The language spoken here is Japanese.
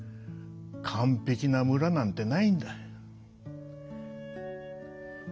完ぺきな村なんてないんだ。